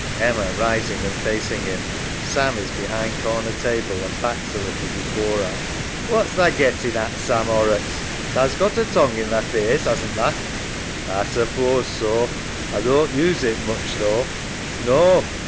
EMMA {rising and facing him. Sam is behind corner table and backs a little before her). What's tha gettin' at, Sam Hor rocks? Tha's got a tongue in thy faice, hasn't tha? SAM. A suppose so. A doan't use it much though. EMMA. No.